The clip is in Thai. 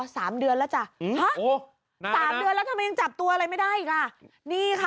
สามเดือนแล้วจ้ะอืมฮะโอ้โหสามเดือนแล้วทำไมยังจับตัวอะไรไม่ได้อีกอ่ะนี่ค่ะ